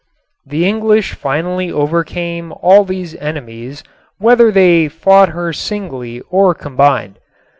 The English finally overcame all these enemies, whether they fought her singly or combined.